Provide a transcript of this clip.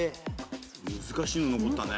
難しいの残ったね。